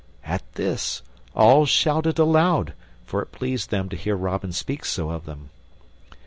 At this all shouted aloud, for it pleased them to hear Robin speak so of them.